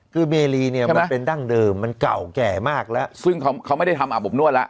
คือเมรีเนี่ยมันเป็นดั้งเดิมมันเก่าแก่มากแล้วซึ่งเขาไม่ได้ทำอาบอบนวดแล้ว